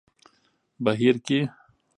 بهير کې